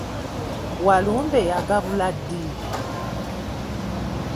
Walumbe agabula ddi?